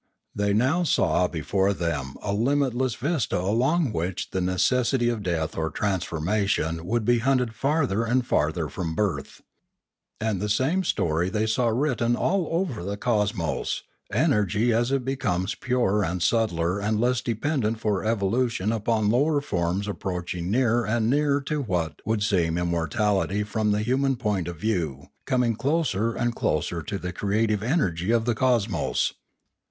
They now saw before them a limitless vista along which the necessity of death or transformation would be hunted farther and farther from birth. And the same story they saw written all over the cosmos, energy as it becomes purer and subtler and less dependent for evolution upon lower forms approaching nearer and nearer to what would seem immortality from the hu man point of view, coming closer and closer to the creative energy of the cosmos.